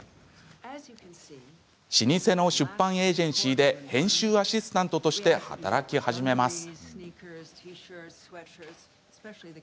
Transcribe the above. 老舗の出版エージェンシーで編集アシスタントとして働き始めます。